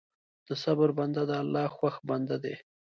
د صبر بنده د الله خوښ بنده دی.